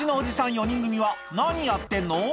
４人組は、何やってんの？